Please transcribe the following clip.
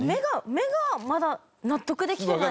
目がまだ納得できてない。